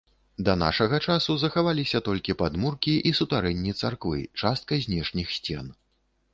Да нашага часу захаваліся толькі падмуркі і сутарэнні царквы, частка знешніх сцен.